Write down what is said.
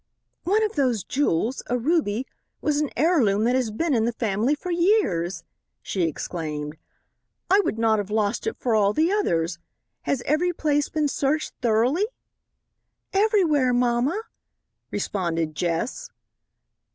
"One of those jewels, a ruby, was an heirloom that has been in the family for years," she exclaimed. "I would not have lost it for all the others. Has every place been searched thoroughly?" "Everywhere, mamma," responded Jess.